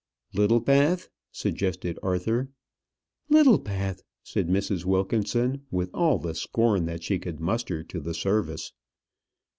"Littlebath," suggested Arthur. "Littlebath!" said Mrs. Wilkinson, with all the scorn that she could muster to the service.